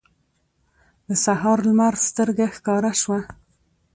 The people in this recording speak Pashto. د سهار لمر سترګه ښکاره شوه.